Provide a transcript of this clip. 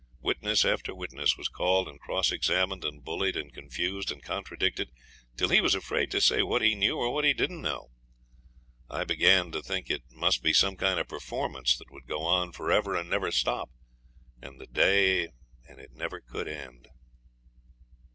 Witness after witness was called, and cross examined and bullied, and confused and contradicted till he was afraid to say what he knew or what he didn't know. I began to think it must be some kind of performance that would go on for ever and never stop, and the day and it never could end.